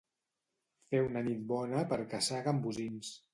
Fer una nit bona per caçar gambosins.